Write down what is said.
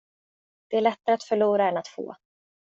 Det är lättare att förlora än att få.